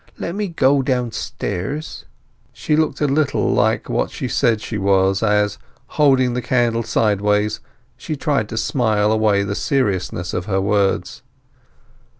Let me go downstairs!" She looked a little like what he said she was as, holding the candle sideways, she tried to smile away the seriousness of her words.